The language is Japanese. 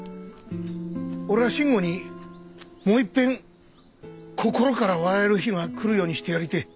俺は慎吾にもういっぺん心から笑える日が来るようにしてやりてえ。